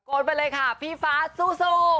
ไปเลยค่ะพี่ฟ้าสู้